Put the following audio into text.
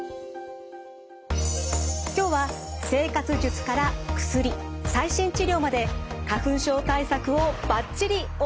今日は生活術から薬最新治療まで花粉症対策をバッチリお伺いします。